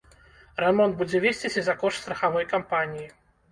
Рамонт будзе весціся за кошт страхавой кампаніі.